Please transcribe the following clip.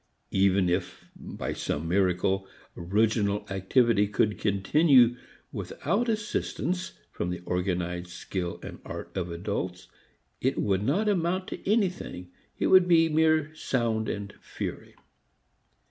Even if by some miracle original activity could continue without assistance from the organized skill and art of adults, it would not amount to anything. It would be mere sound and fury.